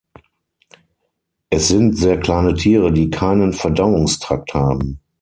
Es sind sehr kleine Tiere, die keinen Verdauungstrakt haben.